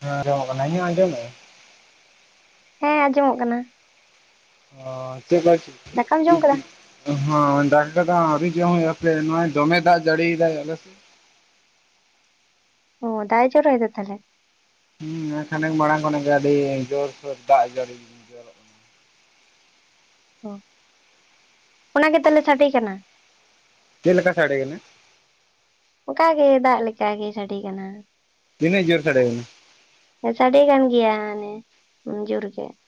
ᱦᱮᱸ ᱟᱸᱡᱚᱢᱚᱜ ᱠᱟᱱᱟ ᱟᱸᱡᱚᱢᱮᱜ ᱾ ᱦᱮᱸ ᱟᱸᱡᱚᱢᱚᱜ ᱠᱟᱱᱟ᱾ ᱚ ᱫᱟᱠᱟᱢ ᱡᱚᱢ ᱠᱮᱫᱟ [unintelligible] ᱦᱚᱸ ᱫᱟᱠᱟ ᱠᱚᱫᱚ ᱟᱣᱨᱤ ᱡᱚᱢ ᱦᱳᱭᱳᱜ-ᱟ ᱦᱟᱯᱮ᱾ ᱱᱚᱜ-ᱚᱭ ᱫᱚᱢᱮ ᱫᱟᱜᱽ ᱡᱟᱲᱤ ᱮᱫᱟᱭ ᱟᱞᱮᱥᱮᱫ᱾ ᱚ᱾ ᱫᱟᱜᱽ ᱮ ᱡᱚᱨᱚᱭᱫᱟ ᱛᱟᱞᱦᱮ᱾ ᱦᱩᱸ ᱱᱮᱜ-ᱮ ᱠᱷᱟᱱᱤᱠ ᱢᱟᱲᱟᱝ ᱚᱱᱟ ᱜᱮ ᱟᱹᱰᱤ ᱡᱳᱨᱥᱳᱨ ᱫᱟᱜᱽ ᱡᱟᱹᱲᱤ᱾ ᱡᱚᱨᱚᱜ ᱠᱟᱱᱟ ᱚ ᱚᱱᱟ ᱜᱮ ᱛᱟᱞᱦᱮᱸ ᱥᱟᱰᱮ ᱠᱟᱱᱟ? ᱪᱮᱫ ᱞᱮᱠᱟ ᱥᱟᱰᱮ ᱠᱟᱱᱟ? ᱚᱠᱟ ᱜᱮ ᱫᱟᱜ ᱞᱮᱠᱟᱜᱮ ᱥᱟᱰᱮ ᱠᱟᱱᱟ᱾ ᱛᱤᱱᱟᱹᱜ ᱡᱳᱨ ᱥᱟᱰᱮ ᱠᱟᱱᱟ? ᱦᱮᱸ ᱥᱟᱰᱮ ᱠᱟᱱ ᱜᱮᱭᱟ ᱦᱟᱱᱮ ᱡᱳᱨ ᱜᱮ᱾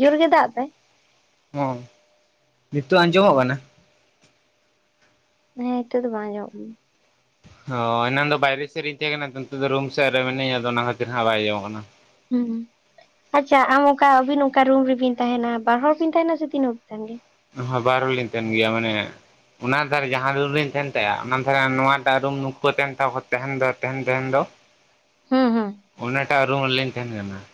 ᱡᱳᱨ ᱜᱮ ᱫᱟᱜ ᱫᱟᱭ᱾ ᱦᱚᱸ᱾ ᱱᱤᱛᱚᱜ ᱟᱸᱡᱚᱢᱚᱜ ᱠᱟᱱᱟ? ᱦᱮᱸ ᱦᱤᱛᱚᱜ ᱫᱚ ᱵᱟᱝ ᱟᱸᱡᱚᱢᱚᱜ ᱠᱟᱱᱟ᱾ ᱚ ᱮᱱᱟ ᱫᱚ ᱵᱟᱭᱨᱮ ᱥᱮᱫ ᱨᱤᱧ ᱛᱟᱦᱮᱸ ᱠᱟᱱᱟ ᱛᱚ ᱱᱤᱛᱚᱜ ᱫᱚ ᱨᱩᱢ ᱥᱮᱫ ᱨᱮ ᱢᱮᱱᱟᱹᱧᱟ ᱟᱫᱚ ᱚᱱᱟ ᱠᱷᱟᱹᱛᱤᱨ ᱦᱟᱸᱜ ᱵᱟᱭ ᱟᱡᱚᱢᱚᱜ ᱠᱟᱱᱟ᱾ ᱦᱩᱸ ᱦᱩᱸ᱾ ᱟᱪᱪᱷᱟ ᱟᱢ ᱚᱠᱟ ᱟᱹᱵᱤᱱ ᱚᱠᱟ ᱨᱩᱢ ᱨᱮᱵᱤᱱ ᱛᱟᱦᱮᱱᱟ, ᱵᱟᱨ ᱦᱚᱲ ᱵᱤᱱ ᱛᱟᱦᱮᱱᱟ ᱥᱮ ᱛᱤᱱ ᱦᱚᱲ ᱯᱮ ᱛᱟᱦᱮᱱ ᱜᱮᱭᱟ? ᱦᱚᱸ ᱵᱟᱨ ᱦᱚᱲ ᱞᱤᱧ ᱛᱟᱦᱮᱱ ᱜᱮᱭᱟ ᱢᱟᱱᱮ ᱚᱱᱟ ᱫᱷᱟᱨᱮ ᱡᱟᱦᱟᱸ ᱨᱩᱢᱨᱮᱞᱤᱧ ᱛᱟᱦᱮᱸᱱ ᱛᱟᱦᱮᱫ-ᱟ, ᱚᱱᱟ ᱫᱷᱟᱨᱮ ᱟᱨ ᱱᱚᱣᱟᱴᱟᱜ ᱨᱩᱢ ᱱᱩᱠᱩ ᱠᱚ ᱛᱟᱦᱮᱸᱱ ᱛᱟᱦᱮᱫ ᱟ ᱛᱟᱦᱮᱱ ᱫᱚ ᱛᱟᱦᱮᱱ ᱛᱟᱦᱮᱱ ᱫᱚ᱾ [inaudible] ᱦᱮᱸ ᱦᱮᱸ᱾ ᱚᱱᱟᱴᱟᱜ ᱨᱩᱢ ᱨᱮ ᱞᱤᱧ ᱛᱟᱦᱮᱸᱱ ᱠᱟᱱᱟ ᱾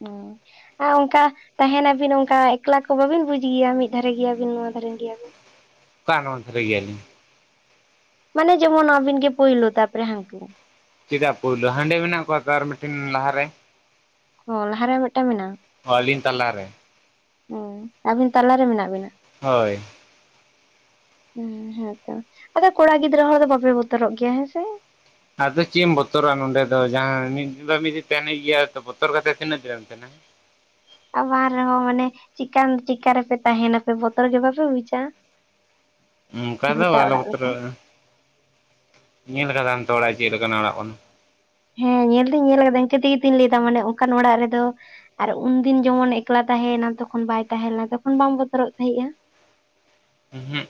ᱦᱩᱸ ᱾ ᱟᱨ ᱚᱱᱠᱟ ᱛᱟᱦᱮᱸᱱᱟ ᱟᱹᱵᱤᱱ ᱚᱱᱠᱟ ᱮᱠᱞᱟ ᱠᱚ ᱵᱟᱹᱵᱤᱱ ᱵᱩᱡ ᱜᱮᱭᱟ ᱢᱤᱫ ᱫᱷᱟᱨᱮ ᱜᱮᱭᱟᱵᱤᱱ ᱱᱚᱣᱟ ᱫᱷᱟᱨᱮ ᱜᱮᱭᱟᱵᱤᱱ ᱾ ᱚᱠᱟ ᱱᱟᱣᱟ ᱫᱷᱟᱨᱮ ᱜᱮᱭᱟᱞᱤᱧ᱾ ᱢᱟᱱᱮ ᱡᱮᱢᱚᱱ ᱟᱵᱤᱱ ᱜᱮ ᱯᱳᱭᱞ ᱛᱟᱨ ᱯᱚᱨᱮ ᱦᱟᱱᱠᱩ ᱾ ᱪᱮᱫᱟᱜ ᱯᱩᱭᱞᱳ ᱦᱟᱸᱰᱮ ᱢᱮᱱᱟᱜ ᱠᱚᱣᱟ ᱛᱚ ᱟᱨ ᱢᱤᱫᱴᱤᱱ ᱞᱟᱦᱟ ᱨᱮ ᱾ ᱚ ᱞᱟᱦᱟᱨᱮ ᱢᱤᱫᱴᱟᱝ ᱢᱮᱱᱟᱜᱼᱟ? ᱦᱚᱸ ᱟᱞᱤᱧ ᱛᱟᱞᱟᱨᱮ ᱾ ᱦᱮᱸ ᱟᱵᱤᱱ ᱛᱟᱞᱟ ᱨᱮ ᱢᱮᱱᱟᱜ ᱵᱤᱱᱟ᱾ ᱦᱳᱭ᱾ ᱦᱮᱸ ᱦᱮᱸᱛᱚ ᱟᱫᱚ ᱠᱚᱲᱟ ᱜᱤᱫᱽᱨᱟᱹ ᱦᱚᱲ ᱫᱚ ᱵᱟᱯᱮ ᱵᱚᱛᱚᱨᱚᱜ ᱜᱮᱭᱟ ᱦᱮᱸ ᱥᱮ? ᱟᱫᱚ ᱪᱮᱫ ᱮᱢ ᱵᱚᱛᱚᱨᱟ ᱱᱚᱰᱮ ᱫᱚ ᱡᱟᱦᱟᱸ ᱢᱤᱫᱤᱱ ᱫᱚ ᱢᱤᱫ ᱫᱤᱱ ᱛᱟᱦᱮᱱ ᱜᱮᱭᱟ ᱛᱚ ᱵᱚᱛᱚᱨ ᱠᱟᱛᱮ ᱛᱤᱱᱟᱹᱜ ᱫᱤᱱᱢ ᱛᱟᱦᱮᱱᱟ᱾ ᱟᱨ ᱵᱟᱝ ᱨᱮᱦᱚᱸ ᱢᱟᱱᱮ ᱪᱤᱠᱠᱟ ᱨᱮᱯᱮ ᱛᱟᱦᱮᱱᱟᱯᱮ ᱵᱚᱛᱚᱨ ᱜᱮ ᱵᱟᱝᱯᱮ ᱵᱩᱡᱟ? ᱚᱱᱠᱟ ᱫᱚ ᱵᱷᱩᱛᱟᱜ ᱵᱟᱞᱮ ᱚᱲᱟᱜ ᱞᱮᱠᱟ ᱵᱚᱛᱨᱚᱼᱟ ᱧᱮᱞ ᱠᱟᱫᱟᱢ ᱛᱚ ᱚᱲᱟᱜ ᱪᱮᱫᱠᱱᱟᱜ ᱚᱲᱟᱜ ᱠᱟᱱᱟ᱾ ᱦᱮᱸ ᱧᱮᱞ ᱫᱚ ᱧᱮᱞ ᱟᱠᱟᱫᱟ ᱤᱱᱠᱟᱹ ᱛᱮᱜᱮ ᱛᱤᱧ ᱞᱟᱹᱭ ᱮᱫᱟ ᱢᱟᱱᱮ ᱚᱱᱠᱟᱱ ᱚᱲᱟᱜ ᱨᱮ ᱫᱚ ᱟᱨ ᱩᱱᱫᱤᱱ ᱡᱮᱢᱚᱱ ᱮᱠᱞᱟ ᱛᱟᱦᱮᱸᱭᱮᱱᱟ ᱛᱚᱠᱷᱚᱱ ᱵᱟᱭ ᱛᱟᱦᱮᱸ ᱞᱮᱱᱟ ᱛᱚᱠᱷᱚᱱ ᱵᱟᱝ ᱵᱚᱛᱚᱨᱚᱜ ᱛᱟᱦᱮᱸᱜᱼᱟ? ᱩᱸ ᱦᱩᱸᱜ᱾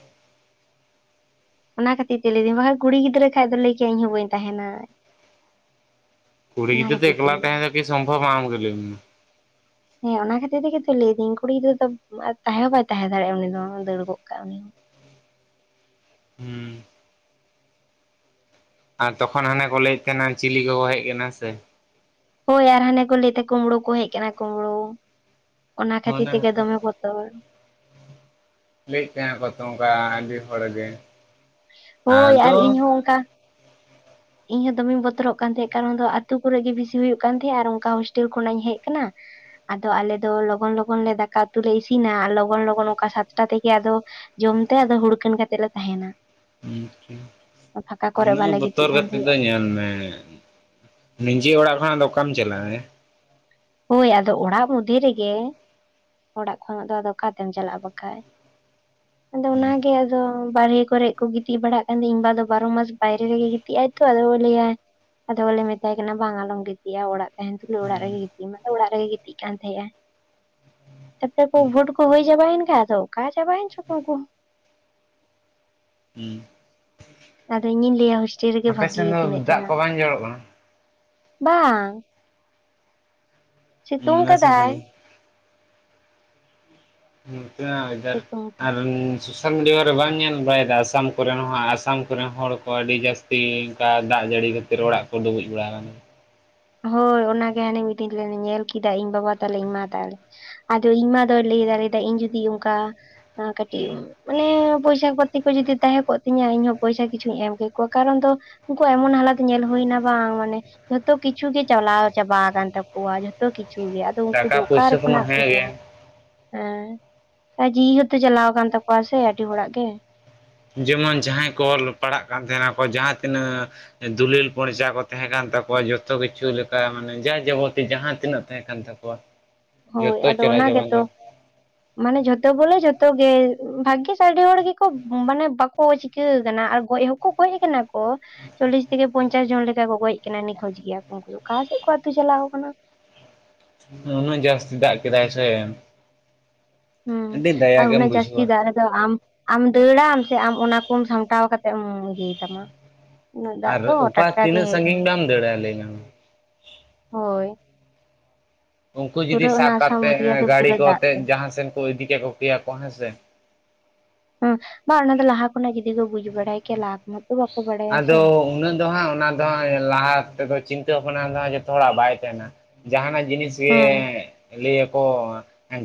ᱚᱱᱟ ᱠᱷᱟᱹᱛᱤᱨ ᱛᱮ ᱞᱟᱹᱭ ᱫᱟᱹᱧ ᱵᱟᱠᱷᱟᱱ ᱠᱩᱲᱤ ᱜᱤᱫᱽᱨᱟᱹ ᱠᱷᱟᱭ ᱫᱚ ᱞᱟᱹᱭ ᱠᱮᱭᱟᱭ ᱤᱧᱚᱸ ᱵᱟᱹᱧ ᱛᱟᱦᱮᱱᱟ᱾ ᱠᱩᱲᱤ ᱚᱱᱟ ᱜᱤᱫᱽᱨᱟ ᱫᱚ ᱠᱷᱟᱹᱛᱤᱨ ᱛᱮ ᱮᱠᱞᱟ ᱛᱟᱸᱦᱮ ᱞᱟᱹᱭᱫᱟ ᱫᱚᱠᱤ ᱥᱚᱢᱵᱷᱚᱵ ᱟᱢ ᱜᱮ ᱞᱟᱭ ᱢᱮ ᱢᱟ᱾ ᱦᱮᱸ ᱚᱱᱟ ᱠᱷᱟᱹᱛᱤᱨ ᱛᱮᱜᱚ ᱞᱟᱹᱭᱫᱟᱹᱧ ᱠᱩᱲᱤ ᱜᱤᱫᱽᱨᱟᱹ ᱫᱚ ᱛᱟᱦᱮᱸ ᱦᱚᱸ ᱵᱟᱭ ᱛᱟᱦᱮᱸ ᱫᱟᱲᱮᱭᱟᱜᱼᱟ ᱩᱱᱤ ᱫᱚ ᱫᱟᱹᱲᱲ ᱜᱚᱜ ᱠᱟᱜᱼᱟ ᱩᱱᱤ ᱦᱚᱸ᱾ ᱦᱩᱸ᱾ ᱟᱨ ᱛᱚᱠᱷᱚᱱ ᱦᱟᱱᱮ ᱠᱚ ᱞᱟᱹᱭᱮᱫ ᱛᱟᱦᱮᱱᱟ ᱪᱤᱞᱤ ᱠᱚᱠᱚ ᱦᱮᱡ ᱟᱠᱟᱱᱟ ᱥᱮ᱾ ᱦᱳᱭ ᱟᱨ ᱦᱟᱱᱮ ᱠᱚ ᱞᱟᱹᱭ ᱛᱮ ᱠᱩᱳᱢᱵᱽᱲᱳ ᱠᱚ ᱦᱮᱡ ᱟᱠᱟᱱᱟ ᱠᱩᱢᱵᱲᱳ᱾ ᱚᱱᱟ ᱠᱷᱟᱹᱛᱤᱨ ᱛᱮ ᱜᱮ ᱫᱚᱢᱮ ᱵᱚᱛᱚᱨ᱾ ᱞᱟᱹᱭᱮᱫ ᱛᱟᱦᱮᱸᱱᱟ ᱠᱚ ᱛᱚ ᱚᱱᱠᱟ ᱟᱹᱰᱤ ᱦᱚᱲ ᱜᱮ ᱾ ᱦᱳᱭ ᱟᱨ ᱤᱧ ᱦᱚᱸ ᱚᱱᱠᱟ ᱤᱧ ᱦᱚᱸ ᱫᱚᱢᱮᱧ ᱵᱚᱛᱚᱨᱚᱜ ᱠᱟᱱ ᱛᱟᱦᱮᱸᱫ ᱠᱟᱨᱚᱱ ᱫᱚ ᱟᱛᱳ ᱠᱚᱨᱮ ᱜᱮ ᱵᱮᱥᱤ ᱦᱩᱭᱩᱜ ᱠᱟᱱ ᱛᱟᱦᱮᱸᱫ ᱟᱨ ᱚᱱᱠᱟ ᱦᱳᱥᱴᱮᱞ ᱠᱷᱚᱱᱟᱜ ᱤᱧ ᱦᱮᱡ ᱠᱟᱱᱟ᱾ ᱟᱫᱚ ᱟᱞᱮ ᱫᱚ ᱞᱚᱜᱚᱱ ᱞᱚᱜᱚᱱ ᱞᱮ ᱫᱟᱠᱟ ᱩᱛᱩ ᱞᱮ ᱤᱥᱤᱱᱟ ᱞᱚᱜᱚᱱ ᱞᱚᱜᱚᱱ ᱚᱱᱠᱟ ᱥᱟᱛᱴᱟ ᱛᱮᱜᱮ ᱟᱫᱚ ᱡᱚᱢ ᱛᱮ ᱟᱫᱚ ᱦᱩᱲᱠᱟᱱ ᱠᱟᱛᱮᱜ ᱞᱮ ᱛᱟᱦᱮᱱᱟ᱾ ᱯᱷᱟᱸᱠᱟ [unintelligible] ᱠᱚᱨᱮ ᱩᱱᱟᱜ ᱵᱟᱞᱮ ᱜᱤᱛᱤᱡ ᱵᱚᱛᱚᱨ ᱠᱟᱱ ᱠᱟᱛᱮ ᱛᱟᱦᱮᱸᱜᱼᱟ ᱫᱚ ᱧᱮᱞ ᱢᱮ ᱱᱤᱡᱮ ᱚᱲᱟᱜ ᱠᱷᱚᱱᱟᱜ ᱫᱚ ᱚᱠᱟᱢ ᱪᱟᱞᱟᱜᱼᱟ᱾ ᱦᱳᱭ ᱟᱫᱚ ᱚᱲᱟᱜ ᱢᱚᱫᱽᱫᱷᱮ ᱨᱮᱜᱮ ᱚᱲᱟᱜ ᱠᱷᱚᱱᱟᱜ ᱫᱚ ᱟᱫᱚ ᱚᱠᱟᱛᱮᱢ ᱪᱟᱞᱟᱜᱼᱟ ᱵᱟᱠᱷᱟᱡ᱾ ᱟᱫᱚ ᱚᱱᱟ ᱜᱮ᱾ ᱫᱚ ᱵᱟᱨᱦᱮ ᱠᱚᱨᱮ ᱠᱚ ᱜᱤᱛᱤᱡ ᱵᱟᱲᱟᱜ ᱠᱟᱱᱟᱹᱧᱵᱟ ᱫᱚ ᱵᱟᱨᱚ ᱢᱟᱥ ᱵᱟᱭᱨᱮ ᱨᱮᱜᱮ ᱜᱤᱛᱤᱡ ᱟᱭ ᱛᱚ ᱟᱫᱚ ᱞᱟᱹᱟ ᱟᱭ ᱟᱫᱚ ᱵᱚᱞᱮ ᱢᱮᱛᱟᱭ ᱠᱟᱱᱟ ᱵᱟᱝ ᱟᱞᱚᱢ ᱜᱤᱫᱤᱭᱟ ᱚᱲᱟᱜ ᱛᱟᱦᱮᱱ ᱛᱩᱞᱩᱡ ᱚᱲᱟᱜ ᱨᱮᱜᱮ ᱜᱤᱛᱤᱡ ᱢᱮ ᱟᱫᱚ ᱚᱲᱟᱜ ᱨᱮᱜᱮ ᱜᱤᱛᱤᱡ ᱠᱟᱱ ᱛᱟᱦᱮᱸᱜᱼᱟ᱾ ᱛᱟᱯᱚᱨᱮ ᱠᱚ ᱵᱷᱳᱴ ᱠᱚ ᱦᱩᱭ ᱡᱟᱵᱟᱭᱮᱱ ᱠᱷᱟᱡ ᱛᱚ ᱚᱠᱟ ᱪᱟᱵᱟᱭᱮᱱ ᱪᱚ ᱠᱚ ᱩᱱᱠᱩ᱾ ᱦᱩᱸ᱾ ᱟᱫᱚ ᱤᱧᱤᱧ ᱞᱟᱹᱭᱟ ᱦᱳᱥᱴᱮᱞ ᱨᱮᱜᱮ ᱟᱯᱮ ᱵᱷᱟᱜᱤ ᱥᱮᱱ ᱜᱮ ᱫᱚ ᱛᱤᱱᱟᱹᱜ ᱫᱟᱜ ᱪᱮᱨᱦᱟ, ᱠᱚ ᱵᱟᱝ ᱡᱚᱨᱚᱜ ᱠᱟᱱᱟ? ᱵᱟᱝ ᱥᱤᱛᱩᱝ ᱟᱞᱮ ᱥᱮᱫ ᱠᱟᱫᱟᱭ᱾ ᱫᱚ ᱤᱱᱠᱟ ᱚᱡᱟᱨ ᱥᱤᱛᱩᱝ ᱛᱮ ᱟᱨ ᱥᱳᱥᱟᱞ ᱢᱤᱰᱤᱭᱟ ᱨᱮ ᱵᱟᱢ ᱧᱮᱞ ᱵᱟᱲᱟᱭᱮᱫᱟ ᱟᱥᱟᱢ ᱠᱚᱨᱮᱱ ᱦᱚᱸ ᱟᱥᱟᱢ ᱠᱚᱨᱮᱱ ᱦᱚᱲ ᱠᱚ ᱟᱹᱰᱤ ᱡᱟᱹᱥ ᱛᱤ ᱝᱠᱟ ᱫᱟᱜ ᱡᱟᱹᱲᱤ ᱠᱟ ᱠᱷᱟᱹᱛᱤᱨ ᱚᱲᱟᱜ ᱠᱚ ᱰᱩᱵᱩᱡ ᱵᱟᱲᱟ ᱟᱠᱟᱱᱟ᱾ ᱦᱳᱭ ᱚᱱᱟᱜᱮ ᱦᱟᱱᱤ ᱢᱤᱫ ᱫᱤᱱ ᱞᱮ ᱧᱮᱞ ᱠᱮᱫᱟ ᱤᱧ ᱵᱟᱵᱟ ᱛᱟᱞᱮ ᱤᱧ ᱢᱟ ᱛᱟᱞᱮ ᱾ ᱟᱫᱚ ᱤᱧ ᱢᱟ ᱫᱚ ᱞᱟᱹᱭ ᱫᱟᱹᱭ ᱤᱧ ᱡᱩᱫᱤ ᱚᱝᱠᱟ ᱠᱟᱹᱴᱤᱡ ᱢᱟᱱᱮ ᱯᱚᱭᱥᱟ ᱯᱟᱛᱤ ᱠᱚ ᱡᱩᱫᱤ ᱛᱟᱦᱮᱸ ᱠᱚᱜ ᱛᱤᱧᱟᱹ ᱤᱧ ᱦᱚ ᱯᱚᱭᱥᱟ ᱠᱤᱪᱷᱩᱧ ᱮᱢ ᱠᱮ ᱠᱚᱣᱟ ᱾ ᱠᱟᱨᱚᱱ ᱫᱚ ᱩᱝᱠᱩ ᱮᱢᱚᱱ ᱦᱟᱞᱚᱛ ᱧᱮᱞ ᱦᱩᱭᱱᱟ ᱵᱟᱝ ᱢᱟᱱᱮ ᱡᱷᱚᱛᱚ ᱠᱤᱪᱷᱩ ᱜᱮ ᱪᱟᱞᱟᱣ ᱪᱟᱵᱟ ᱟᱠᱟᱱ ᱛᱟᱠᱚᱣᱟ ᱡᱷᱚᱛᱚ ᱠᱤᱪᱷᱩ ᱜᱮ, ᱟᱫᱚ ᱩᱝᱠᱩ ᱫᱚ ᱴᱟᱠᱟ ᱚᱠᱟ ᱨᱮ ᱯᱩᱭᱥᱟᱹ ᱠᱚᱢᱟ ᱠᱷᱚᱱᱟᱜ ᱠᱚ ᱦᱮᱸᱜᱮ ᱡᱚᱢᱟ? ᱦᱮᱸ, ᱟᱨ ᱡᱤᱣᱤ ᱦᱚᱸᱛᱚ ᱪᱟᱞᱟᱣ ᱟᱠᱟᱱ ᱛᱟᱠᱚᱣᱟ ᱥᱮ ᱟᱹᱰᱤ ᱦᱚᱲᱟᱜ ᱜᱮ ᱾ ᱡᱮᱢᱚᱱ ᱡᱟᱦᱟᱸᱭ ᱠᱚ ᱚᱞ ᱯᱟᱲᱦᱟᱜ ᱠᱟᱱ ᱛᱟᱦᱮᱱᱟᱠᱚ ᱡᱟᱦᱟᱸ ᱛᱤᱱᱟᱹᱜ ᱫᱩᱞᱤᱞ ᱯᱚᱨᱪᱟ ᱠᱚ ᱛᱟᱦᱮᱸ ᱠᱟᱱ ᱛᱟᱠᱚᱣᱟ ᱡᱚᱛᱚ ᱠᱤᱪᱷᱩ ᱞᱮᱠᱟ ᱢᱟᱱᱮ ᱡᱟ ᱡᱟᱵᱚᱛᱤ ᱡᱟᱦᱟᱸ ᱛᱤᱱᱟᱹᱜ ᱛᱟᱦᱮᱸ ᱠᱟᱱ ᱛᱟᱠᱚᱣᱟ ᱦᱳᱭ ᱡᱚᱛᱚ ᱟᱫᱚ ᱪᱟᱞᱟᱣ ᱚᱱᱟ ᱪᱟᱵᱟᱭᱮᱱ ᱜᱮᱛᱚ ᱫᱚ ᱾ ᱢᱟᱱᱮ ᱡᱷᱚᱛᱚ ᱵᱚᱞᱮ ᱡᱷᱚᱛᱚ ᱜᱮ ᱵᱷᱟᱜᱜᱤᱥ ᱟᱹᱰᱤ ᱦᱚᱲ ᱜᱮᱠᱚ ᱢᱟᱱᱮ ᱵᱟᱠᱚ ᱪᱤ ᱪᱤᱠᱟᱹ ᱟᱠᱟᱱ ᱟᱨ ᱜᱚᱡ ᱦᱚᱸᱠᱚ ᱜᱚᱡ ᱟᱠᱟᱱᱟ ᱠᱚ, ᱪᱚᱞᱞᱤᱥ ᱛᱷᱮᱠᱮ ᱯᱚᱧᱪᱟᱥ ᱡᱚᱱ ᱞᱮᱠᱟ ᱠᱚ ᱜᱚᱡ ᱟᱠᱟᱱᱟ ᱱᱤᱠᱷᱚᱡᱽ ᱜᱮᱭᱟ ᱠᱚ ᱩᱱᱠᱩ ᱫᱚ ᱟᱠᱟ ᱥᱮᱫ ᱠᱚ ᱟᱹᱛᱩ ᱪᱟᱞᱟᱣ ᱠᱟᱱᱟ? ᱩᱱᱟᱹᱜ ᱡᱟᱹᱥᱛᱤ ᱫᱟᱜ ᱠᱮᱫᱟᱭ ᱥᱮ ᱾ ᱦᱩᱸ, ᱟᱨ ᱜᱮᱢ ᱩᱹᱱᱟᱹᱜ ᱡᱟᱹᱥᱛᱤ ᱵᱩᱡᱷᱟᱹᱣᱟ ᱫᱟᱜ ᱨᱮ ᱟᱫᱚ ᱟᱢ ᱟᱢ ᱫᱟᱹᱲ ᱟᱢ ᱥᱮ ᱟᱢ ᱚᱱᱟ ᱠᱚᱢ ᱥᱟᱢᱴᱟᱣ ᱠᱟᱛᱮ ᱮᱢ ᱤᱭᱟᱹᱭ ᱛᱟᱢᱟ? ᱩᱱᱟᱹᱜ ᱫᱟᱜ ᱫᱚ ᱟᱨ ᱚᱠᱟ ᱴᱟᱴᱠᱟ ᱜᱮ ᱛᱤᱱᱟᱹᱜ ᱦᱮᱡ ᱮᱱᱟ ᱥᱟᱺᱜᱤᱧ ᱵᱟᱢ ᱫᱟᱹᱲᱟ ᱞᱟᱹᱭ ᱢᱮ ᱢᱟ ᱦᱳᱭ ᱾ ᱩᱝᱠᱩ ᱡᱩᱫᱤ ᱥᱟᱵ ᱚᱱᱟ ᱟᱥᱟᱢ ᱠᱟᱛᱮᱫ ᱩᱰᱤᱭᱟ ᱫᱚ ᱜᱟᱹᱲᱤ ᱯᱩᱨᱟᱹ ᱫᱟᱜ ᱠᱚᱛᱮᱫ ᱛᱮ ᱡᱟᱦᱟᱸᱥᱮᱱ ᱠᱚ ᱤᱫᱤ ᱠᱮᱠᱚ ᱠᱮᱭᱟ ᱠᱚ ᱦᱮᱸ ᱥᱮ ᱾ ᱦᱚᱸ ᱵᱟ ᱚᱱᱟ ᱫᱚ ᱞᱟᱦᱟ ᱠᱷᱚᱱᱟᱜ ᱡᱩᱫᱤ ᱠᱚ ᱵᱩᱡ ᱵᱟᱲᱟᱭ ᱠᱮᱭᱟ ᱞᱟᱦᱟ ᱠᱷᱚᱱᱟᱜ ᱛᱚ ᱵᱟᱠᱚ ᱵᱟᱲᱟᱭᱟ ᱥᱮ ᱟᱫᱚ ᱾ ᱫᱚ ᱩᱱᱟᱹᱜ ᱦᱟᱸᱜ ᱚᱱᱟ ᱫᱚ ᱦᱟᱸᱜ ᱞᱟᱦᱟ ᱛᱮᱠᱚ ᱪᱤᱱᱛᱟᱹ ᱵᱷᱟᱵᱽᱱᱟ ᱫᱚ ᱦᱟᱜ ᱡᱚᱛᱚ ᱦᱚᱲᱟᱜ ᱵᱟᱭ ᱛᱟᱦᱮᱱᱟ ᱡᱟᱦᱟᱱᱟᱜ ᱡᱤᱱᱤᱥ ᱜᱮ ᱦᱮᱸ ᱞᱟᱹᱭ ᱟᱠᱚ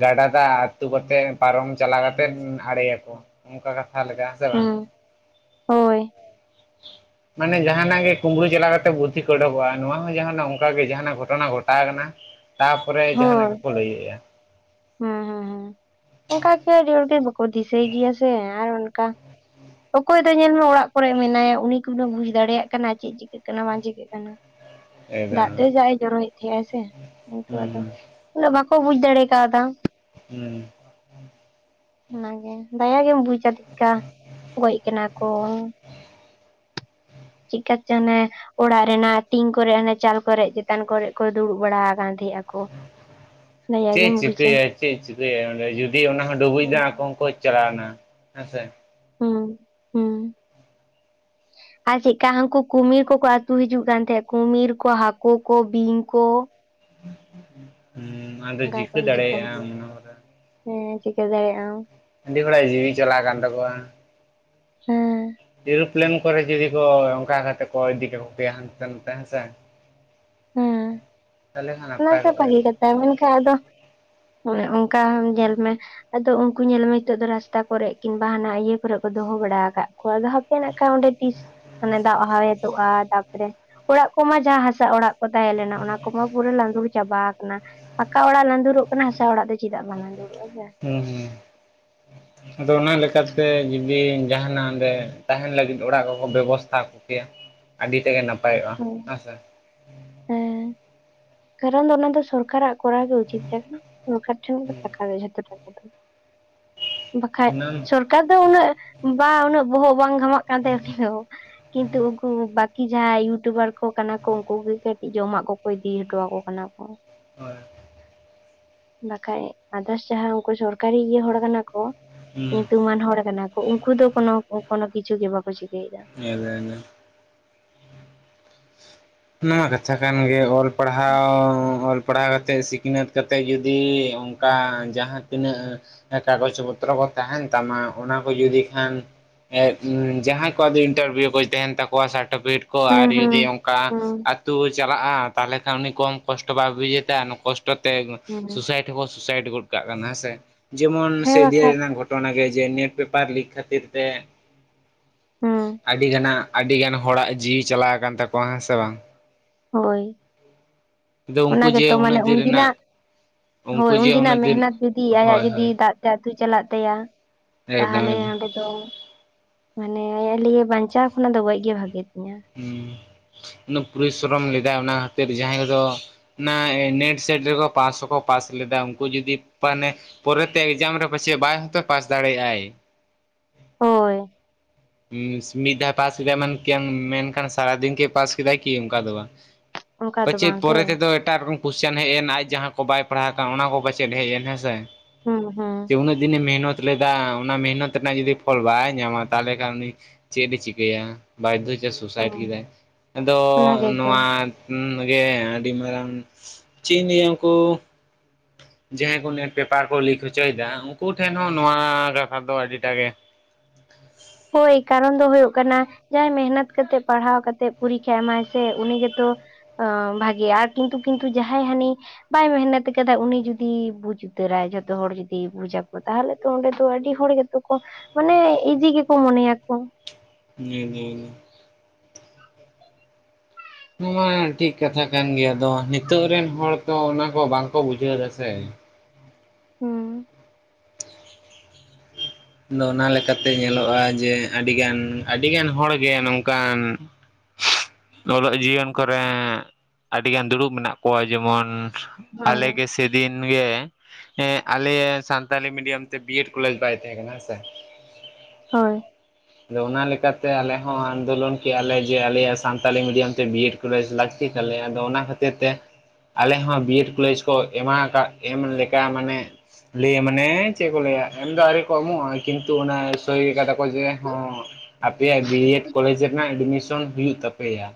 ᱜᱟᱰᱟ ᱫᱟᱜ ᱟᱹᱛᱩ ᱠᱟᱛᱮᱜ ᱯᱟᱨᱚᱢ ᱪᱟᱞᱟᱣ ᱠᱟᱛᱮᱜ ᱟᱲᱮᱭᱟᱠᱚ। ᱚᱝᱠᱟ ᱠᱟᱛᱷᱟ ᱞᱮᱠᱟ ᱦᱮ ᱥᱮ ᱵᱟᱝ। ᱦᱮᱸ ᱦᱳᱭ। ᱢᱟᱱᱮ ᱡᱟᱦᱟᱱᱟᱜ ᱜᱮ ᱠᱩᱢᱵᱽᱲᱩ ᱪᱟᱞᱟᱣ ᱠᱟᱛᱮ ᱵᱩᱫᱽᱫᱷᱤ ᱠᱚ ᱩᱰᱚᱠᱚᱜᱼᱟ ᱱᱚᱣᱟ ᱦᱚᱸ ᱡᱟᱦᱟ ᱫᱚ ᱚᱝᱠᱟᱜᱮ ᱡᱟᱦᱟᱱᱟᱜ ᱜᱷᱚᱴᱚᱱᱟ ᱜᱷᱚᱴᱟᱣ ᱠᱟᱱᱟ ᱛᱟᱯᱚᱨᱮ ᱡᱟᱦᱟᱱᱟᱜ ᱦᱳᱭ ᱜᱮᱠᱚ ᱞᱟᱹᱭᱮᱜᱼᱟ। ᱚᱝᱠᱟ ᱜᱮ ᱟᱹᱰᱤ ᱦᱚᱲᱜᱮ ᱵᱟᱠᱚ ᱫᱤᱥᱟᱹᱭ ᱜᱮᱭᱟ ᱥᱮ, ᱟᱨ ᱚᱱᱠᱟ ᱚᱠᱚᱭ ᱫᱚ ᱧᱮᱞ ᱢᱮ ᱚᱲᱟᱜ ᱠᱚᱨᱮᱜ ᱢᱮᱱᱟᱭᱟ ᱩᱱᱤ ᱠᱤ ᱩᱱᱟᱹᱜ ᱵᱩᱡ ᱫᱟᱲᱮᱭᱟᱜ ᱠᱟᱱᱟᱭ ᱪᱮᱫ ᱪᱤᱠᱟᱹᱜ ᱠᱟᱱᱟ ᱵᱟᱝ ᱪᱤᱠᱟᱹᱜ ᱠᱟᱱᱟ! ᱫᱟᱜ ᱛᱮ ᱮᱠᱫᱚᱢ ᱡᱟᱜᱼᱮ ᱡᱚᱨᱚᱭᱮᱫ ᱛᱮᱦᱮᱸᱜ ᱟᱭ ᱥᱮ ᱾ ᱦᱩᱸ ᱩᱱᱟᱹᱜ ᱵᱟᱠᱚ ᱵᱩᱡ ᱫᱟᱲᱮ ᱠᱟᱣᱫᱟ ᱾ ᱦᱮᱸ ᱾ ᱚᱱᱟᱜᱮ ᱫᱟᱭᱟ ᱜᱮᱢ ᱵᱩᱡᱟ ᱪᱮᱫᱠᱟ ᱜᱚᱡ ᱠᱟᱱᱟ ᱠᱚ। ᱪᱤᱫᱠᱟ ᱪᱚ ᱚᱱᱮ ᱚᱲᱟᱜ ᱨᱮᱱᱟᱜ ᱴᱤᱝ ᱠᱚᱨᱮ ᱦᱟᱱᱮ ᱪᱟᱞ ᱠᱚᱨᱮᱜ ᱪᱮᱛᱟᱱ ᱠᱚᱨᱮᱜ ᱠᱚ ᱫᱩᱲᱩᱵ ᱵᱟᱲᱟ ᱟᱠᱟᱱ ᱛᱟᱦᱮᱸ ᱟᱠᱚ ᱾ ᱪᱮᱫ ᱮ ᱪᱤᱠᱟᱹᱭᱟ ᱪᱮᱫ ᱮ ᱪᱤᱠᱟᱹᱭᱟ ᱚᱸᱰᱮ? ᱡᱩᱫᱤ ᱚᱱᱟ ᱦᱚᱸ ᱰᱩᱵᱩᱡ ᱱᱟ ᱟᱠᱚ ᱦᱚᱸᱠᱚ ᱪᱟᱞᱟᱣᱮᱱᱟ ᱦᱮᱸᱥᱮ। ᱦᱮᱸ, ᱦᱮᱸ। ᱟᱨ ᱪᱮᱫᱠᱟ ᱦᱟᱹᱱᱠᱩ ᱠᱩᱢᱤᱨ ᱠᱚᱠᱚ ᱟᱹᱛᱩ ᱦᱤᱡᱩᱜ ᱠᱟᱱ ᱛᱟᱦᱮᱸᱜ ᱠᱩᱢᱤᱨ ᱠᱚ ᱦᱟᱹᱠᱩ ᱠᱚ ᱵᱤᱧ ᱠᱚ। ᱦᱩᱸ ᱟᱫᱚ ᱚᱱᱠᱟ ᱠᱚ ᱪᱤᱠᱟᱹ ᱦᱤᱡᱩᱜ ᱠᱟᱱ ᱫᱟᱲᱮᱭᱟᱜᱼᱟᱢ ᱜᱮᱭᱟ ᱚᱱᱟ [inaudible] ᱦᱮᱸ ᱪᱤᱠᱟᱹ ᱫᱟᱲᱮᱭᱟᱜ ᱟᱢ। ᱟᱹᱰᱤ ᱦᱚᱲᱟᱜ ᱡᱤᱣᱤ ᱪᱟᱞᱟᱣ ᱠᱟᱱ ᱛᱟᱠᱚᱣᱟ ᱾ ᱦᱮᱸ ᱾ ᱮᱨᱳᱯᱮᱞᱮᱱ ᱠᱚᱨᱮ ᱡᱩᱫᱤ ᱠᱚ ᱚᱝᱠᱟ ᱠᱟᱛᱮ ᱠᱚ ᱤᱫᱤ ᱠᱮᱠᱚ ᱠᱮᱭᱟ ᱦᱟᱱᱛᱮ ᱱᱟᱛᱮ ᱦᱮᱸᱥᱮ ᱾ ᱦᱮᱸ, ᱠᱷᱟᱱ ᱚᱱᱟ ᱱᱟᱯᱟᱭ ᱛᱚ ᱠᱚᱜᱼᱟ ᱵᱷᱟᱹᱜᱤ ᱠᱟᱛᱷᱟ ᱢᱮᱱᱠᱷᱟᱱ ᱟᱫᱚ ᱚᱱᱮ ᱚᱝᱠᱟ ᱦᱚᱸ ᱧᱮᱞ ᱢᱮ ᱟᱫᱚ ᱩᱝᱠᱩ ᱧᱮᱞᱢᱮ ᱱᱤᱛᱚᱜ ᱫᱚ ᱨᱟᱥᱛᱟ ᱠᱚᱨᱮᱜ ᱠᱤᱝᱵᱟ ᱦᱟᱱᱟ ᱤᱭᱟᱹ ᱠᱚᱨᱮᱜ ᱠᱚ ᱫᱚᱦᱚ ᱵᱟᱲᱟ ᱟᱠᱟᱜ [unintelligible] ᱠᱷᱟᱱᱡ ᱚᱸᱰᱮ ᱛᱤᱥ ᱢᱟᱱᱮ ᱫᱟᱜ ᱦᱟᱣᱮᱫᱚᱜᱼᱟ ᱛᱟᱨᱯᱚᱨᱮ ᱚᱲᱟᱜ ᱠᱚᱢᱟ ᱡᱟᱦᱟᱸ ᱦᱟᱥᱟ ᱚᱲᱟᱜ ᱠᱚ ᱛᱟᱦᱮᱸ ᱞᱮᱱᱟ ᱚᱱᱟ ᱠᱚᱢᱟ ᱯᱩᱨᱟᱹ ᱞᱟᱸᱫᱩᱲ ᱪᱟᱵᱟ᱾ ᱯᱟᱠᱟ ᱚᱲᱟᱜ ᱞᱟᱸᱫᱩᱨᱚᱜ ᱠᱟᱱᱟ ᱦᱟᱥᱟ ᱚᱲᱟᱜ ᱫᱚ ᱪᱮᱫᱟᱜ ᱵᱟᱝ ᱞᱟᱸᱫᱩᱨᱚᱜᱼᱟ ᱦᱮᱸ ᱥᱮ। ᱦᱩᱸ ᱦᱩᱸ। ᱟᱫᱚ ᱚᱱᱟ ᱞᱮᱠᱟᱛᱮ ᱡᱩᱫᱤ ᱡᱟᱦᱟᱱᱟᱜ ᱚᱰᱮ ᱛᱟᱦᱮᱱ ᱞᱟᱹᱜᱤᱫ ᱚᱲᱟᱜ ᱠᱚᱠᱚ ᱵᱮᱵᱚᱥᱛᱷᱟ ᱠᱮᱭᱟ ᱟᱹᱰᱤ ᱛᱮᱫ ᱜᱮ ᱱᱟᱯᱟᱭᱚᱜᱼᱟ ᱦᱮᱸ ᱥᱮ। ᱦᱮᱸ ᱠᱟᱨᱚᱱ ᱫᱚ ᱚᱱᱟ ᱫᱚ ᱥᱚᱨᱠᱟᱨᱟᱜ ᱠᱚᱨᱟᱣ ᱜᱮ ᱩᱪᱤᱛ ᱛᱟᱦᱮ ᱠᱟᱱᱟ, ᱥᱚᱨᱠᱟᱨ ᱴᱷᱮᱱ ᱜᱮ ᱦᱩᱸ ᱴᱟᱠᱟ ᱜᱮ ᱡᱷᱚᱛᱚ ᱴᱟᱠᱟ ᱫᱚ᱾ ᱵᱟᱠᱷᱟᱡ ᱚᱱᱟ ᱥᱚᱨᱠᱟᱨ ᱫᱚ ᱩᱱᱟᱹᱜ ᱵᱟ ᱩᱱᱟᱹᱜ ᱵᱚᱦᱚᱜ ᱵᱟᱝ ᱜᱷᱟᱢᱟᱜ ᱠᱟᱱ ᱛᱟᱭᱟ ᱩᱱᱤ ᱫᱚ, ᱠᱤᱱᱛᱩ ᱩᱱᱠᱩ ᱵᱟᱹᱠᱤ ᱡᱟᱦᱟᱸᱭ ᱤᱭᱩᱴᱩᱵᱟᱨ ᱠᱚ ᱠᱟᱱᱟ ᱠᱚ ᱩᱱᱠᱩ ᱜᱮ ᱠᱟᱹᱴᱤᱡ ᱡᱚᱢᱟᱜ ᱠᱚᱠᱚ ᱤᱫᱤ ᱦᱚᱴᱚᱣᱟᱠᱚ ᱠᱟᱱᱟ ᱠᱚ᱾ ᱦᱳᱭ᱾ ᱵᱟᱠᱷᱟᱡ ᱟᱫᱟᱥ ᱡᱟᱦᱟᱸ ᱩᱱᱠᱩ ᱥᱚᱨᱠᱟᱨᱤ ᱤᱭᱟᱹ ᱦᱚᱲ ᱠᱟᱱᱟ ᱠᱚ, ᱦᱩᱸ ᱧᱩᱛᱩᱢᱟᱱ ᱦᱚᱲ ᱠᱟᱱᱟ ᱩᱱᱠᱩ ᱫᱚ ᱠᱚᱱᱚ, ᱠᱚᱱᱚ ᱠᱤᱪᱷᱩ ᱜᱮ ᱵᱟᱠᱚ ᱪᱤᱠᱟᱹᱭ ᱫᱟ᱾ [unintelligible] ᱚᱱᱟᱢᱟ ᱠᱟᱛᱷᱟ ᱠᱟᱱᱜᱮ ᱚᱞ ᱯᱟᱲᱦᱟᱣ ᱚᱞ ᱯᱟᱲᱷᱟᱣ ᱠᱟᱛᱮᱫ ᱥᱤᱠᱷᱱᱟᱹᱛ ᱠᱟᱛᱮᱫ ᱡᱩᱫᱤ ᱚᱱᱠᱟ ᱡᱟᱦᱟᱸ ᱛᱤᱱᱟᱹᱜ ᱠᱟᱜᱚᱡᱽ ᱯᱚᱛᱨᱚ ᱠᱚ ᱛᱟᱦᱮᱱ ᱛᱟᱢᱟ ᱚᱱᱟ ᱠᱚ ᱡᱩᱫᱤ ᱠᱷᱟᱱ ᱮᱜ ᱡᱟᱦᱟᱸᱭ ᱠᱚᱣᱟᱜ ᱫᱚ ᱤᱱᱴᱟᱨᱵᱷᱤᱭᱩ ᱠᱚ ᱛᱟᱦᱮᱱ ᱛᱟᱠᱚᱣᱟ ᱥᱟᱨᱴᱚᱯᱷᱤᱠᱮᱴ ᱠᱚ ᱦᱩᱸ ᱟᱨ ᱦᱩᱸ ᱡᱩᱫᱤ ᱚᱱᱠᱟ ᱦᱩᱸ ᱟᱛᱩ ᱪᱟᱞᱟᱜᱼᱟ ᱛᱟᱦᱚᱞᱮ ᱠᱷᱟᱱ ᱩᱱᱤ ᱠᱚᱢ ᱠᱚᱥᱴᱚ ᱵᱟᱭ ᱵᱩᱡ ᱮᱫᱟ ᱠᱚᱥᱴᱚ ᱛᱮ ᱦᱩᱸ ᱥᱩᱥᱟᱭᱤᱰ ᱥᱩᱥᱟᱭᱤᱴ ᱜᱚᱫ ᱠᱟᱱᱟ ᱦᱮ ᱥᱮ, ᱡᱮᱢᱚᱱ ᱦᱮᱸ ᱵᱟᱠᱷᱟᱡ [unintelligible] ᱜᱷᱚᱴ ᱛᱚ ᱚᱱᱟ ᱜᱮ ᱡᱮ ᱱᱮᱴ ᱯᱮᱯᱟᱨ ᱞᱤᱠ ᱠᱷᱟᱹᱛᱤᱨ ᱛᱮ ᱦᱩᱸ ᱟᱹᱰᱤ ᱜᱟᱱᱟᱜ ᱟᱹᱰᱤ ᱜᱟᱱ ᱦᱚᱲᱟᱜ ᱡᱤᱣᱤ ᱪᱟᱞᱟᱣ ᱟᱠᱟᱱ ᱛᱟᱠᱚᱣᱟ ᱦᱮᱸ ᱥᱮ ᱵᱟᱝ? ᱦᱳᱭ ᱟᱫᱚ ᱚᱱᱟ ᱩᱱᱠᱩ ᱜᱮᱛᱚ ᱡᱮ ᱩᱱᱟᱹᱜ ᱢᱟᱱᱮ ᱫᱤᱱ ᱨᱮᱱᱟᱜ ᱩᱱᱫᱤᱱᱟᱜ ᱦᱳᱭ ᱩᱱᱠᱩ ᱡᱮ ᱩᱱᱟᱹᱜ ᱩᱱᱫᱤᱱᱟᱜ ᱫᱤᱱ ᱢᱮᱦᱱᱟᱛ ᱡᱩᱫᱤ ᱟᱭᱟᱜ ᱦᱳᱭ ᱡᱩᱫᱤ ᱦᱳᱭ ᱫᱟᱜ ᱛᱮ ᱟᱹᱛᱩ ᱪᱟᱞᱟᱜ ᱛᱟᱭᱟ ᱮᱠᱫᱚᱢ ᱛᱟᱦᱚᱞᱮ ᱮᱠᱫᱚᱢ ᱚᱸᱰᱮ ᱛᱚ ᱢᱟᱱᱮ [unintelligible] ᱵᱟᱧᱪᱟᱣ ᱠᱷᱚᱱᱟᱜ ᱫᱚ ᱜᱚᱡ ᱜᱮ ᱵᱷᱟᱜᱤ ᱛᱤᱧᱟᱹ᱾ ᱦᱩ ᱩᱱᱟᱹᱜ ᱯᱚᱨᱤᱥᱨᱚᱢ ᱞᱮᱫᱟᱭ ᱚᱱᱟ ᱠᱷᱟᱛᱤᱨ ᱡᱟᱦᱟᱸᱭ ᱫᱚ ᱚᱱᱟ ᱱᱮᱴ ᱥᱮᱴ ᱨᱮᱠᱚ ᱯᱟᱥ ᱦᱚᱸᱠᱚ ᱯᱟᱥ ᱞᱮᱫᱟ ᱩᱱᱠᱩ ᱡᱩᱫᱤ ᱢᱟᱱᱮ ᱯᱚᱨᱮᱛᱮ ᱮᱠᱡᱟᱢ ᱨᱮ ᱯᱟᱪᱮᱫ ᱵᱟᱭ ᱦᱚᱛᱚ ᱯᱟᱥ ᱫᱟᱲᱮᱭᱟᱜ-ᱟᱭ᱾ ᱦᱳᱭ ᱢᱤᱫ ᱫᱷᱟᱣ ᱯᱟᱥ ᱠᱮᱫᱟᱭ [unintelligible] ᱢᱮᱱᱠᱷᱟᱱ ᱥᱟᱨᱟᱫᱤᱱ ᱠᱤ ᱯᱟᱥ ᱠᱮᱫᱟᱭ ᱠᱤ ᱚᱱᱠᱟ ᱫᱚ ᱵᱟᱝ᱾ ᱚᱱᱠᱟ ᱫᱚ ᱯᱟᱪᱮᱫ ᱵᱟᱝ ᱥᱮ ᱯᱚᱨᱮ ᱛᱮᱫᱚ ᱮᱴᱟᱜ ᱨᱚᱠᱚᱢ ᱠᱳᱥᱪᱮᱱ ᱦᱮᱡ ᱮᱱ ᱟᱡ ᱡᱟᱦᱟᱸ ᱠᱚ ᱵᱟᱭ ᱯᱟᱲᱦᱟᱣ ᱠᱟᱱ ᱚᱱᱟ ᱠᱚ ᱯᱟᱪᱮᱫ ᱦᱮᱡ ᱮᱱ ᱦᱮᱸᱥᱮ᱾ ᱦᱩᱸ, ᱦᱩᱸ᱾ ᱡᱮ ᱩᱱᱟᱹᱜ ᱫᱤᱱᱮ ᱢᱮᱦᱱᱚᱛ ᱞᱮᱫᱟ ᱚᱱᱟ ᱢᱮᱦᱱᱚᱛ ᱨᱮᱱᱟᱜ ᱡᱩᱫᱤ ᱯᱷᱚᱞ ᱵᱟᱭ ᱧᱟᱢᱟ ᱛᱟᱦᱚᱞᱮ [unintelligible] ᱩᱱᱤ ᱪᱮᱫ ᱮ ᱪᱤᱠᱟᱹᱭᱟ? ᱵᱟᱫᱽᱫᱷᱚ ᱛᱮ ᱥᱩᱭᱥᱟᱭᱤᱰ ᱦᱩᱸ ᱠᱮᱫᱟᱭ, ᱟᱫᱚ ᱚᱱᱟ ᱜᱮᱛᱚ ᱱᱚᱣᱟ ᱦᱩᱸ ᱜᱮ ᱟᱹᱰᱤ ᱢᱟᱨᱟᱝ ᱪᱮᱜ ᱤᱧ ᱞᱟᱸᱭᱟ ᱩᱱᱠᱩ ᱡᱟᱦᱟᱸᱭ ᱠᱚ ᱱᱮᱴ ᱯᱮᱯᱟᱨ ᱠᱚ ᱞᱤᱠ ᱦᱚᱪᱚᱭᱫᱟ ᱩᱱᱠᱩ ᱴᱷᱮᱱ ᱦᱚᱸ ᱱᱚᱣᱟ ᱠᱟᱛᱷᱟ ᱫᱚ ᱟᱹᱰᱤᱴᱟ ᱜᱮ ᱦᱳᱭ ᱠᱟᱨᱚᱱ ᱫᱚ ᱦᱳᱭᱳᱜ ᱠᱟᱱᱟ ᱡᱟᱦᱟᱸᱭ ᱢᱮᱦᱱᱟᱹᱛ ᱠᱟᱛᱮᱫ ᱯᱟᱲᱦᱟᱣ ᱠᱟᱛᱮᱫ ᱯᱚᱨᱤᱠᱠᱷᱟᱭ ᱮᱢᱟᱭ ᱥᱮ ᱩᱱᱤ ᱜᱮᱛᱚ ᱟ ᱵᱷᱟᱜᱤ ᱟᱨ ᱠᱤᱱᱛᱩ ᱠᱤᱱᱛᱩ ᱡᱟᱦᱟᱸᱭ ᱦᱟᱱᱤ ᱵᱟᱭ ᱢᱮᱦᱱᱚᱛ ᱠᱟᱫᱟ ᱩᱱᱤ ᱡᱩᱫᱤ ᱵᱩᱡᱽ ᱩᱛᱟᱹᱨᱟᱭ ᱡᱷᱚᱛᱚ ᱦᱚᱲ ᱡᱩᱫᱤ ᱵᱩᱡᱟᱠᱚ ᱛᱟᱦᱚᱞᱮ ᱛᱚ ᱚᱸᱰᱮ ᱫᱚ ᱟᱹᱰᱤ ᱦᱚᱲ ᱜᱮᱛᱚ ᱠᱚ ᱢᱟᱱᱮ ᱤᱡᱤ ᱜᱮᱠᱚ ᱢᱚᱱᱮᱭᱟᱠᱚ᱾ [unintelligible] [unintelligible] ᱱᱚᱣᱟ ᱴᱷᱤᱠ ᱠᱟᱛᱷᱟ ᱠᱟᱱ ᱜᱮᱭᱟ ᱟᱫᱚ ᱱᱤᱛᱚᱜ ᱨᱮᱱ ᱦᱚᱲ ᱛᱚ ᱚᱱᱟ ᱠᱚ ᱵᱟᱝᱠᱚ ᱵᱩᱡᱷᱟᱹᱣ ᱫᱟ ᱥᱮ᱾ ᱦᱩᱸ᱾ ᱟᱫᱚ ᱚᱱᱟ ᱞᱮᱠᱟᱛᱮ ᱧᱮᱞᱚᱜᱼᱟ ᱡᱮ ᱟᱹᱰᱤᱜᱟᱱ ᱟᱹᱰᱤᱜᱟᱱ ᱦᱚᱲ ᱜᱮ ᱱᱚᱝ ᱠᱟᱱ ᱚᱞᱚᱜ ᱡᱤᱭᱚᱱ ᱠᱚᱨᱮ᱾ ᱟᱹᱰᱤᱜᱟᱱ ᱫᱩᱲᱩᱵ ᱢᱮᱱᱟᱜ ᱠᱚᱣᱟ ᱡᱮᱢᱚᱱ ᱟᱞᱮ ᱦᱳᱭ ᱜᱮ ᱥᱮᱫᱤᱱ ᱜᱮ ᱟᱞᱮ ᱥᱟᱱᱛᱟᱞᱤ ᱢᱤᱰᱤᱭᱟᱢ ᱛᱮ ᱵᱤᱮᱰ ᱠᱚᱞᱮᱡᱽ ᱵᱟᱭ ᱛᱟᱦᱮᱸ ᱠᱟᱱᱟ ᱦᱮ ᱥᱮ᱾ ᱦᱳᱭ᱾ ᱟᱫᱚ ᱚᱱᱟ ᱞᱮᱠᱟᱛᱮ ᱟᱞᱮ ᱦᱚᱸ ᱟᱱᱫᱳᱞᱚᱱ ᱠᱮᱜᱼᱟ ᱞᱮ ᱡᱮ ᱟᱞᱮᱭᱟᱜ ᱥᱟᱱᱛᱟᱞᱤ ᱢᱤᱰᱤᱭᱟᱢ ᱛᱮ ᱵᱤᱰ ᱠᱚᱞᱮᱡᱽ ᱞᱟᱹᱠᱛᱤ ᱛᱟᱞᱮᱭᱟ ᱟᱫᱚ ᱚᱱᱟ ᱠᱷᱟᱹᱛᱤᱨ ᱛᱮ, ᱟᱞᱮ ᱦᱚᱸ ᱵᱤ ᱮᱰ ᱠᱚᱞᱮᱡᱽ ᱠᱚ ᱮᱢᱟ ᱟᱠᱟᱫ ᱮᱢ ᱞᱮᱠᱟ ᱢᱟᱱᱮ᱾ ᱞᱟᱹᱭ ᱢᱟᱱᱮ ᱪᱮᱫ ᱠᱚ ᱞᱟᱹᱭᱟ ᱮᱢ ᱫᱚ ᱟᱹᱣᱨᱤ ᱠᱚ ᱮᱢᱚᱜᱼᱟ ᱠᱤᱱᱛᱩ ᱚᱱᱟ ᱥᱳᱭ ᱠᱟᱫᱟ ᱠᱚ ᱡᱮ ᱦᱚᱸ ᱟᱯᱮᱭᱟᱜ ᱵᱤ ᱮᱰ ᱠᱚᱞᱮᱡᱽ ᱨᱮᱱᱟᱜ ᱮᱰᱢᱤᱥᱚᱱ ᱦᱩᱭᱩᱜ ᱛᱟᱯᱮᱭᱟ᱾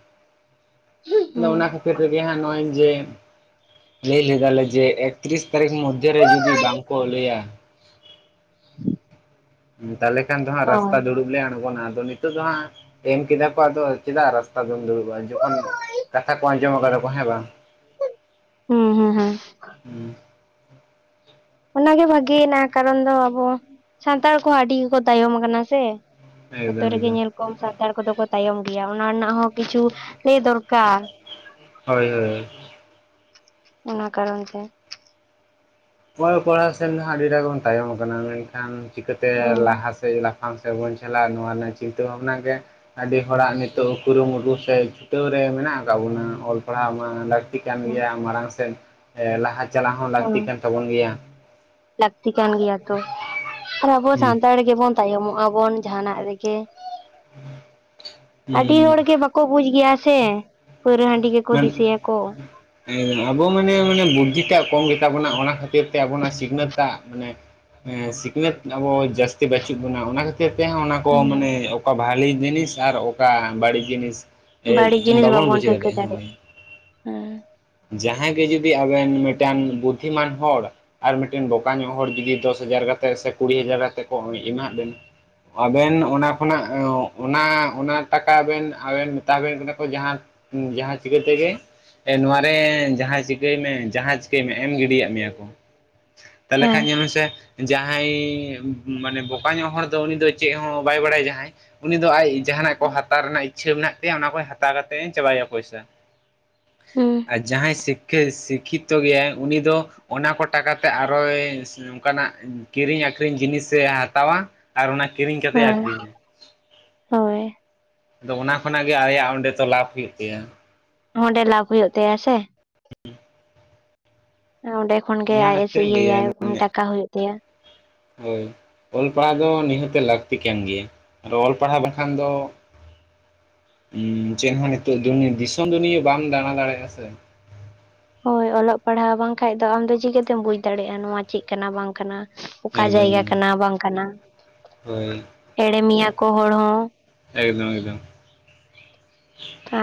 ᱟᱫᱚ ᱦᱩᱸ ᱚᱱᱟ ᱠᱷᱟᱹᱛᱤᱨ ᱛᱮᱜᱮ ᱦᱟᱸᱜ ᱱᱚᱜᱼᱚᱭ ᱡᱮ ᱞᱟᱹᱭ ᱞᱮᱫᱟᱞᱮ ᱡᱮ ᱮᱠᱛᱨᱤᱥ ᱮᱠ ᱛᱟᱹᱨᱤᱠᱷ ᱢᱚᱫᱽᱫᱷᱮᱨᱮ ᱡᱩᱫᱤ ᱵᱟᱝ ᱠᱚ ᱞᱟᱹᱭᱟ᱾ ᱛᱟᱦᱚᱞ ᱠᱷᱟᱱ ᱫᱚᱦᱟᱸᱜ ᱚ ᱨᱟᱥᱛᱟ ᱫᱩᱲᱩᱵ ᱞᱮ ᱟᱬᱜᱚᱱᱟ ᱟᱫᱚ ᱱᱤᱛ ᱱᱤᱛᱚᱜ ᱫᱚ ᱦᱟᱸᱜ ᱮᱢ ᱠᱮᱫᱟ ᱠᱚ ᱟᱫᱚ ᱪᱮᱫᱟᱜ ᱨᱟᱥᱛᱟ ᱫᱚᱢ ᱫᱩᱲᱩᱵᱼᱟ ᱡᱚᱠᱷᱚᱱ ᱠᱟᱛᱷᱟ ᱠᱚ ᱟᱸᱡᱚᱢ ᱟᱠᱟᱫᱟ ᱠᱚ ᱦᱮᱸ ᱵᱟᱝ᱾ ᱦᱩᱸ ᱦᱩᱸ ᱾ ᱦᱩᱸ ᱚᱱᱟ ᱜᱮ ᱵᱷᱟᱹᱜᱤᱭᱮᱱᱟ, ᱠᱟᱨᱚᱱ ᱫᱚ ᱟᱵᱚ ᱥᱟᱱᱛᱟᱲ ᱠᱚᱦᱚᱸ ᱟᱹᱰᱤ ᱜᱮᱠᱚ ᱛᱟᱭᱚᱢ ᱠᱟᱱᱟ ᱥᱮ᱾ ᱡᱚᱛᱚ ᱮᱠᱫᱚᱢ ᱨᱮᱜᱮ ᱮᱠᱫᱚᱢ ᱧᱮᱞ ᱠᱚᱢ ᱥᱟᱱᱛᱟᱲ ᱠᱚᱫᱚ ᱛᱟᱭᱚᱢ ᱜᱮᱭᱟ᱾ ᱚᱱᱟ ᱨᱮᱱᱟᱜ ᱦᱚᱸ ᱠᱤᱪᱷᱩ ᱞᱟᱹᱭ ᱫᱚᱨᱠᱟᱨ᱾ ᱦᱳᱭ ᱦᱳᱭ᱾ ᱚᱱᱟ ᱠᱟᱨᱚᱱ ᱛᱮ᱾ ᱚᱞᱚᱜ ᱯᱟᱲᱦᱟᱣ ᱥᱮᱱ ᱫᱚ ᱦᱟᱸᱜ, ᱟᱹᱰᱤᱴᱟᱜ ᱵᱚᱱ ᱛᱟᱭᱚᱢ ᱠᱟᱱᱟ, ᱢᱮᱱᱠᱷᱟᱱ ᱪᱤᱠᱟᱹᱛᱮ ᱦᱩᱸ ᱞᱟᱦᱟ ᱥᱮᱫ ᱥᱮ ᱞᱟᱯᱷᱟᱝ ᱥᱮᱫ ᱵᱚᱱ ᱪᱟᱞᱟᱜᱼᱟ᱾ ᱱᱚᱣᱟ ᱨᱮᱱᱟᱜ ᱪᱤᱱᱛᱟᱹ ᱵᱷᱟᱵᱽᱱᱟ ᱜᱮ ᱟᱹᱰᱤ ᱦᱚᱲᱟᱜ ᱱᱤᱛᱚᱜ ᱠᱩᱨᱩᱢᱩᱴᱩ ᱥᱮ ᱪᱷᱩᱴᱟᱹᱣ ᱨᱮ ᱢᱮᱱᱟᱜ ᱟᱠᱟᱫ ᱵᱚᱱᱟ᱾ ᱚᱞ ᱯᱟᱲᱦᱟᱣ ᱢᱟ ᱪᱤᱠᱟᱹᱱ ᱦᱩᱸ ᱜᱮᱭᱟ ᱢᱟᱲᱟᱝ ᱥᱮᱫ ᱞᱟᱦᱟ ᱪᱟᱞᱟᱣ ᱦᱚᱸ ᱦᱩᱸ ᱞᱟᱹᱠᱛᱤ ᱠᱟᱱ ᱛᱟᱵᱚᱱ ᱜᱮᱭᱟ᱾ ᱞᱟᱹᱠᱛᱤ ᱠᱟᱱ ᱜᱮᱭᱟ ᱛᱚ ᱟᱨ ᱟᱵᱚ ᱦᱩᱸ ᱥᱟᱱᱛᱟᱲ ᱜᱮᱵᱚᱱ ᱛᱟᱭᱚᱢᱚᱜᱼᱟ, ᱜᱮᱵᱚᱱ ᱡᱟᱦᱟᱱᱟᱜ ᱨᱮᱜᱮ, ᱟᱹᱰᱤ ᱦᱩᱸ ᱦᱚᱲᱜᱮ ᱠᱚ ᱵᱩᱡ ᱜᱮᱭᱟ ᱥᱮ ᱯᱟᱹᱣᱨᱟᱹ ᱦᱟᱺᱰᱤ ᱜᱮ ᱦᱮᱸ᱾ ᱟᱵᱚ ᱢᱟᱱᱮ ᱵᱩᱫᱽᱫᱷᱤᱴᱟᱜ ᱠᱚᱢ ᱜᱮᱛᱟ ᱵᱚᱱᱟ᱾ ᱚᱱᱟ ᱠᱷᱟᱹᱛᱤᱨ ᱛᱮ ᱟᱵᱚᱱᱟᱜ ᱥᱤᱠᱷᱱᱟᱹᱛᱟᱜ ᱢᱟᱱᱮ ᱥᱤᱠᱷᱱᱟᱹᱛ ᱟᱵᱚ ᱡᱟᱹᱥᱛᱤ ᱵᱟᱪᱩᱜ ᱵᱚᱱᱟ᱾ ᱚᱱᱟ ᱠᱷᱟᱹᱛᱤᱨ ᱦᱚᱛᱮᱫ ᱛᱮᱦᱚᱸ ᱚᱱᱟ ᱠᱚ ᱦᱩᱸ ᱢᱟᱱᱮ ᱚᱠᱟ ᱵᱷᱟᱹᱜᱤ ᱡᱤᱱᱤᱥ ᱟᱨ ᱚᱠᱟ ᱵᱟᱹᱲᱤᱡ ᱡᱤᱱᱤᱥ ᱵᱟᱹᱲᱤᱡ ᱡᱤᱱᱤᱥ ᱵᱟᱵᱚᱱ ᱴᱷᱟᱹᱣᱠᱟᱹ ᱫᱟᱲᱮᱭᱟᱜᱼᱟ ᱦᱮᱸ᱾ ᱡᱟᱦᱟᱸᱭ ᱜᱮ ᱡᱩᱫᱤ ᱟᱵᱮᱱ ᱢᱤᱫᱴᱟᱱ ᱵᱩᱫᱽᱫᱷᱤᱢᱟᱱ ᱦᱚᱲ ᱟᱨ ᱢᱤᱫᱴᱮᱱ ᱵᱚᱠᱟ ᱧᱚᱜ ᱦᱚᱲ ᱡᱩᱫᱤ ᱫᱚᱥ ᱦᱟᱡᱟᱨ ᱠᱟᱛᱮᱫ ᱥᱮ ᱠᱩᱲᱤ ᱦᱟᱡᱟᱨ ᱠᱟᱛᱮᱫ ᱠᱚ ᱮᱢᱟᱫ ᱵᱚᱱᱟ ᱟᱵᱮᱱ ᱚᱱᱟ ᱠᱷᱚᱱᱟᱜ ᱚᱱᱟ ᱚᱱᱟ ᱴᱟᱠᱟ ᱟᱵᱮᱱ ᱟᱵᱮᱱ ᱢᱮᱛᱟᱵᱮᱱ ᱠᱟᱱᱟ ᱠᱚ, ᱡᱟᱦᱟᱸ ᱡᱟᱦᱟᱸ ᱪᱤᱠᱟᱹ ᱛᱮᱜᱮ ᱱᱚᱣᱟ ᱮ ᱡᱟᱦᱟᱸ ᱪᱤᱠᱟᱹᱭ ᱢᱮ ᱡᱟᱦᱟᱸ ᱪᱤᱠᱟᱹᱭ ᱢᱮ? ᱮᱢ ᱜᱤᱰᱤᱭᱟᱜ ᱢᱮᱭᱟ ᱠᱚ᱾ ᱛᱟᱦᱚᱞᱮ ᱠᱷᱟᱱ ᱧᱮᱞ ᱢᱮᱥᱮ ᱡᱟᱦᱟᱸᱭ ᱢᱟᱱᱮ ᱵᱚᱠᱟ ᱧᱚᱜ ᱦᱚᱲ ᱫᱚ ᱩᱱᱤ ᱫᱚ ᱦᱚᱸ ᱵᱟᱭ ᱵᱟᱲᱟᱭᱼᱟ᱾ ᱡᱟᱦᱟᱸᱭ ᱩᱱᱤ ᱫᱚ ᱟᱡ ᱡᱟᱦᱟᱱᱟᱜ ᱠᱚ ᱦᱟᱛᱟᱣ ᱤᱪᱷᱟᱹᱣ ᱢᱮᱱᱟᱜ ᱛᱟᱭᱟ, ᱚᱱᱟ ᱠᱚ ᱦᱟᱛᱟᱣ ᱠᱟᱛᱮᱧ ᱪᱟᱵᱟᱭᱼᱟ, ᱚᱱᱟ ᱯᱚᱭᱥᱟᱹ᱾ ᱦᱩᱸ᱾ ᱟᱨ ᱡᱟᱦᱟᱸᱭ ᱥᱤᱠ ᱥᱤᱠᱠᱷᱤᱛᱚ ᱜᱮᱭᱟᱭ ᱩᱱᱤ ᱫᱚ ᱚᱱᱟ ᱠᱚ ᱴᱟᱠᱟ ᱛᱮ ᱟᱨᱦᱚᱭ ᱱᱚᱝᱠᱟᱱᱟᱜ ᱠᱤᱨᱤᱧ ᱟᱹᱠᱷᱨᱤᱧ ᱡᱤᱱᱤ ᱥᱮ ᱦᱟᱛᱟᱣᱟ ᱟᱨ ᱚᱱᱟ ᱠᱤᱨᱤᱧ ᱠᱟᱛᱮ ᱦᱮᱸ ᱟᱹᱠᱷᱨᱤᱧᱟ᱾ ᱦᱳᱭ᱾ ᱟᱫᱚ ᱚᱱᱟ ᱠᱷᱚᱱᱟᱜ ᱜᱮ ᱟᱭᱟᱜ ᱚᱸᱰᱮ ᱛᱚ ᱞᱟᱵᱷ ᱦᱩᱭᱩᱜ ᱛᱟᱭᱟ᱾ ᱚᱸᱰᱮ ᱞᱟᱵᱷ ᱦᱩᱭᱩᱜ ᱛᱟᱭᱟ ᱥᱮ? ᱚᱸᱰᱮ ᱠᱷᱚᱱ ᱜᱮ ᱚᱱᱟ ᱟᱭ ᱮᱥ ᱠᱷᱟᱹᱛᱤᱨᱤᱧ ᱞᱟᱹᱭᱟ ᱤᱭᱟᱹᱭ ᱢᱟᱱᱮ ᱴᱟᱠᱟ ᱦᱩᱭᱩᱜ ᱛᱟᱭᱟ᱾ ᱦᱳᱭ ᱚᱞ ᱯᱟᱲᱦᱟᱣ ᱫᱚ ᱱᱤᱦᱟᱹᱛ ᱞᱟᱹᱠᱛᱤ ᱠᱟᱱ ᱜᱮᱭᱟ᱾ ᱚᱞ ᱯᱟᱲᱦᱟᱣ ᱵᱟᱝ ᱠᱷᱟᱱ ᱫᱚ ᱪᱮᱫ ᱦᱚᱸ ᱱᱤᱛᱚ ᱫᱤᱥᱚᱢ ᱫᱩᱱᱤᱭᱟᱹ ᱵᱟᱢ ᱫᱟᱬᱟ ᱫᱟᱲᱮᱭᱟᱜᱼᱟ ᱥᱮ᱾ ᱦᱳᱭ ᱚᱞᱚᱜ ᱯᱟᱲᱦᱟᱣ ᱵᱟᱝ ᱠᱷᱟᱡᱽ ᱫᱚ ᱟᱢ ᱫᱚ ᱪᱤᱠᱟᱹᱛᱮᱢ ᱵᱩᱡ ᱫᱟᱲᱮᱭᱟᱜᱼᱟ, ᱱᱚᱣᱟ ᱪᱮᱫ ᱠᱟᱱᱟ ᱵᱟᱝ ᱠᱟᱱᱟ? ᱚᱠᱟ ᱡᱟᱭᱜᱟ ᱮᱠᱫᱚᱢ ᱠᱟᱱᱟ, ᱵᱟᱝ ᱠᱟᱱᱟ ᱦᱳᱭ ᱮᱲᱮᱢᱮᱭᱟ ᱠᱚ ᱦᱚᱲ ᱦᱚᱸ? ᱮᱠᱫᱚᱢ, ᱮᱠᱫᱚᱢ᱾